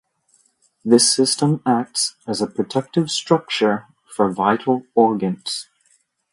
This system acts as a protective structure for vital organs.